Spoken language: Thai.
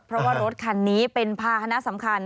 เพราะว่ารถคันนี้เป็นภาษณะสำคัญ